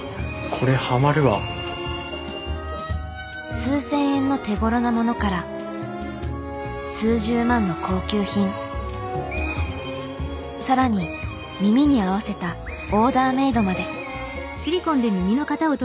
数千円の手ごろなものから数十万の高級品更に耳に合わせたオーダーメードまで。